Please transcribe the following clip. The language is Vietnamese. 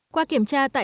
qua kiểm tra tại quốc gia